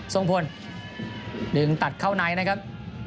ทรงพลดึงตัดเข้าในนะครับ